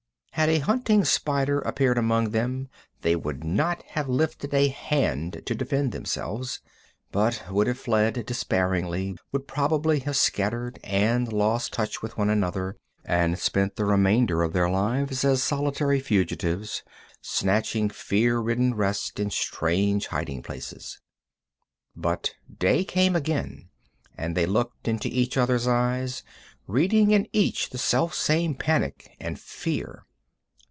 Had a hunting spider appeared among them they would not have lifted a hand to defend themselves, but would have fled despairingly, would probably have scattered and lost touch with one another, and spent the remainder of their lives as solitary fugitives, snatching fear ridden rest in strange hiding places. But day came again, and they looked into each other's eyes, reading in each the selfsame panic and fear.